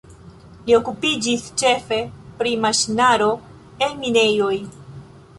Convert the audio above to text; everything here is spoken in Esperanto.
Li okupiĝis ĉefe pri maŝinaro en minejoj.